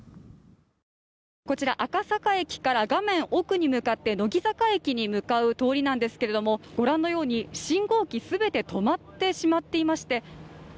こちら、赤坂駅から画面奥に向かって乃木坂駅に向かう通りなんですけれども御覧のように信号機全て止まってしまっていまして。